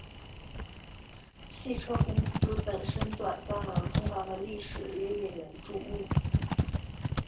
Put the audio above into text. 汽车公司本身短暂而动荡的历史也引人注目。